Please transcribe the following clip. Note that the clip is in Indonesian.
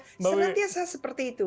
selepas itu seperti itu